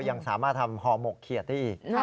ยังสามารถทำห่อหมกเขียดได้อีก